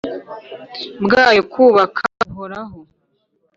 Bwayo bukaba buhoraho